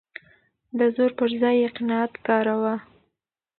د زور پر ځای يې قناعت کاراوه.